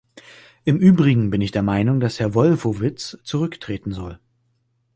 Im Übrigen bin ich der Meinung, dass Herr Wolfowitz zurücktreten soll.